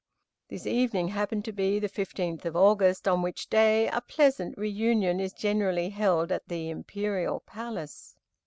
This evening happened to be the fifteenth of August, on which day a pleasant reunion is generally held at the Imperial Palace.